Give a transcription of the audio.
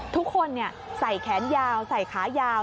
ทุกคนใส่แขนยาวใส่ขายาว